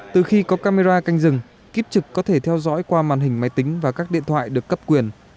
từ khi có camera canh rừng kiếp trực có thể theo dõi qua màn hình máy tính và các điện thoại được cấp quyền